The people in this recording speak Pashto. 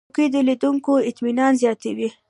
چوکۍ د لیدونکو اطمینان زیاتوي.